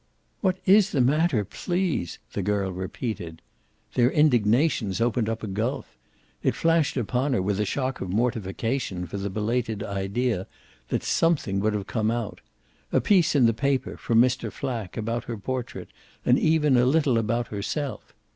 "What IS the matter, PLEASE?" the girl repeated. Their "indignations" opened up a gulf; it flashed upon her, with a shock of mortification for the belated idea, that something would have come out: a piece in the paper, from Mr. Flack, about her portrait and even a little about herself.